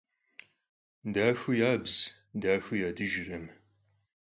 Daxeu yabz daxeu yadıjjırkhım.